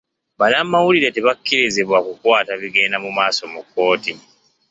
Banamawulire tebakkirizibwa kukwata bigenda maaso mu kooti.